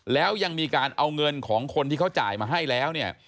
แล้วยังมีการเอาเงินของคนที่เขาจ่ายมาให้แล้วเนี่ย